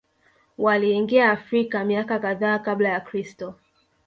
Waliingia Afrika miaka kadhaa Kabla ya Kristo